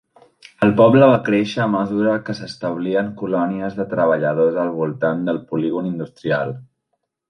El poble va créixer a mesura que s'establien colònies de treballadors al voltant del polígon industrial.